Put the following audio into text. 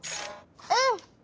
うん！